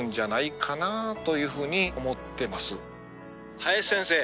林先生